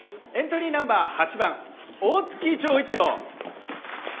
エントリーナンバー８番大月錠一郎。